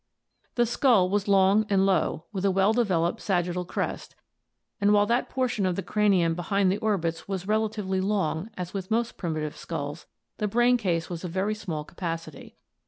The skull was long and low, with a well developed sagittal crest and, while that por tion of the cranium behind the orbits was relatively long as with most primitive skulls, the brain case was of very small capacity.